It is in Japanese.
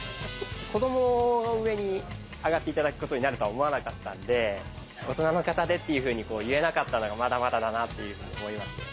子どもが上にあがって頂くことになるとは思わなかったんで「大人の方で」っていうふうに言えなかったのがまだまだだなっていうふうに思いました。